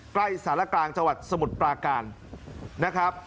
ใกล้สารกลางจังหวัดสมุทรปราการนะครับ